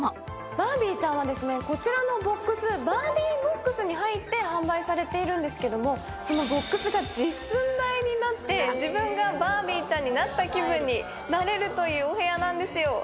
バービーちゃんはこちらのボックス、バービーボックスに入って販売されているんですけど、そのボックスが実寸大になって自分がバービーちゃんになった気分になれるというお部屋なんですよ